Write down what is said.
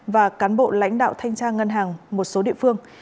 và cán bộ lãnh đạo thanh tra ngân hàng một số địa phương